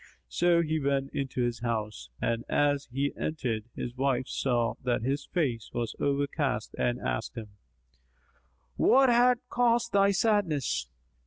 So he went into his house and, as he entered, his wife saw that his face was overcast and asked him, "What hath caused thy sadness?"